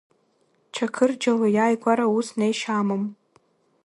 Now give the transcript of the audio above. Чақырџьалы иааигәара ус неишьа амам.